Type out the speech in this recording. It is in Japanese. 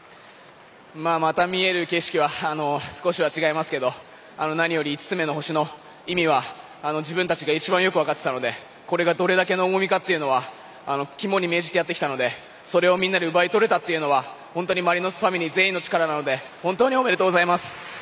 また見える景色は少しは違いますけど何より５つ目の星の意味は自分たちが一番よく分かっていたのでこれがどれだけの重みかは肝に銘じてやってきたのでそれをみんなで奪い取れたというのは本当にマリノスファミリー全員の力なので本当におめでとうございます。